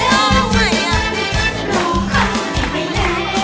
ร้องค่อยไม่เลว